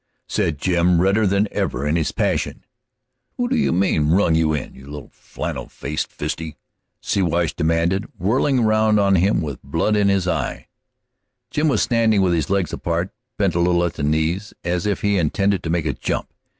said Jim, redder than ever in his passion. "Who do you mean, rung you in, you little, flannel faced fiste?" Siwash demanded, whirling round on him with blood in his eye. Jim was standing with his legs apart, bent a little at the knees, as if he intended to make a jump.